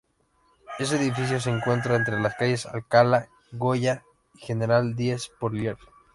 Este edificio se encuentra entre las calles Alcalá, Goya y General Díez Porlier.